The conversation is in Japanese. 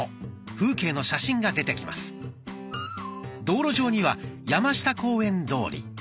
道路上には「山下公園通り」。